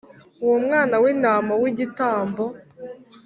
Uwo mwana w intama w igitambo